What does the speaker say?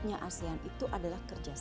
oleh karena itu yang dimajukan oleh outlook